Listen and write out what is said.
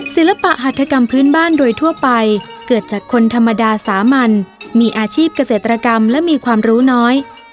ศิลปะหัฐกรรมพื้นบ้านโดยทั่วไปเกิดจากคนธรรมดาสามัญมีอาชีพเกษตรกรรมและมีความรู้น้อย